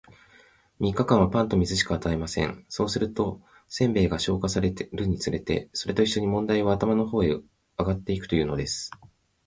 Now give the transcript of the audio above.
三日間は、パンと水しか与えません。そうすると、煎餅が消化されるにつれて、それと一しょに問題は頭の方へ上ってゆくというのです。